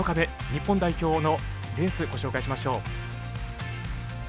日本代表のレースご紹介しましょう。